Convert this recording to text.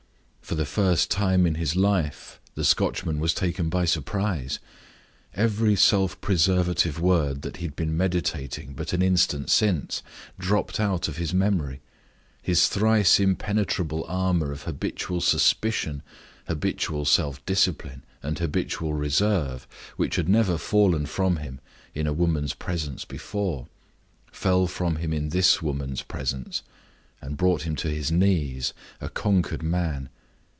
For the first time in his life the Scotchman was taken by surprise. Every self preservative word that he had been meditating but an instant since dropped out of his memory. His thrice impenetrable armor of habitual suspicion, habitual self discipline, and habitual reserve, which had never fallen from him in a woman's presence before, fell from him in this woman's presence, and brought him to his knees, a conquered man.